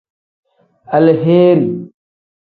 Aleheeri.